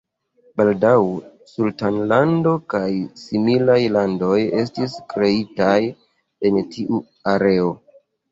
Baldaŭ sultanlando kaj similaj landoj estis kreitaj en tiu areo.